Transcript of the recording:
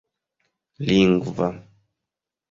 lingva